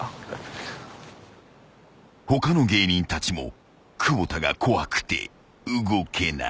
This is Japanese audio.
［他の芸人たちも久保田が怖くて動けない］